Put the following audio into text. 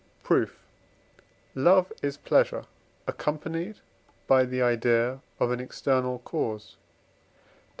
Proof. Love is pleasure, accompanied by the idea of an external cause (Def.